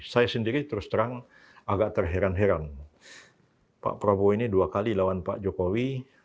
saya sendiri terus terang agak terheran heran pak prabowo ini dua kali lawan pak jokowi